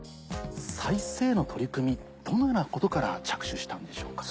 再生への取り組みどのようなことから着手したんでしょうか？